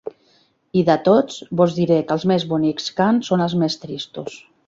I, de tots, vos diré que els més bonics cants són els més tristos.